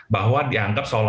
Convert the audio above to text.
bahwa dianggap soal ini